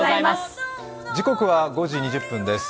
時刻は５時２０分です。